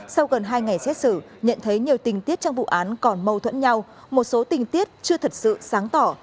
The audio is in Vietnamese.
sau gần hai ngày xét xử nhận thấy nhiều tình tiết trong vụ án còn mâu thuẫn nhau một số tình tiết chưa thật sự sáng tỏ